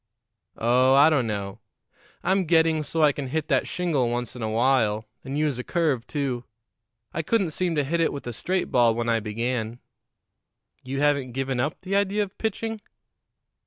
"Oh, I don't know. I'm getting so I can hit that shingle once in a while, and use a curve, too. I couldn't seem to hit it with a straight ball when I began." "You haven't given up the idea of pitching?"